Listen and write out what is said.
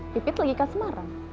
pipit lagi ke semarang